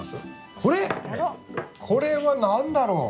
これ⁉これは何だろう？